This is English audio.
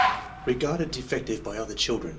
Regarded defective by other children.